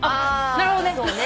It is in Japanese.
なるほどね。